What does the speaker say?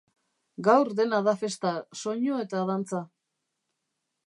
Gaur dena da festa, soinu eta dantza.